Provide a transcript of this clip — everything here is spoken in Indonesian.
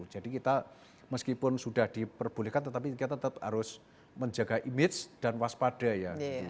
jadi kita meskipun sudah diperbolehkan tetapi kita tetap harus menjaga image dan waspada ya